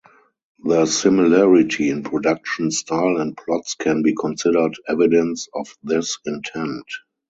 The similarity in production, style and plots can be considered evidence of this intent.